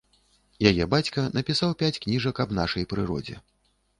Яе бацька напісаў пяць кніжак аб нашай прыродзе.